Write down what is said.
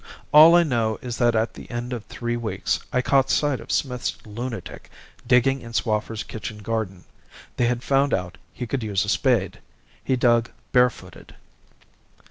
All I know is that at the end of three weeks I caught sight of Smith's lunatic digging in Swaffer's kitchen garden. They had found out he could use a spade. He dug barefooted.